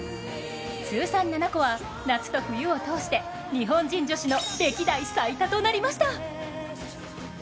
通算７個は夏と冬を通して日本人女子の歴代最多となりました。